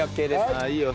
ああいいよ